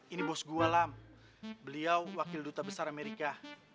ini bos gue lam beliau wakil duta besar amerika